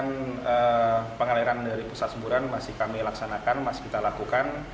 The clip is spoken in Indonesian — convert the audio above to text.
pengaliran dari pusat semburan masih kami laksanakan masih kita lakukan